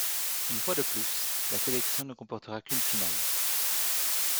Une fois de plus, la sélection ne comportera qu'une finale.